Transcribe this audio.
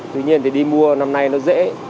tuy nhiên thì đi mua năm nay nó dễ